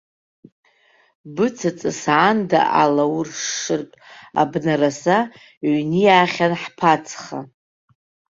Быцаҵас аанда алаушшыртә, абнараса ҩниаахьан ҳԥацха.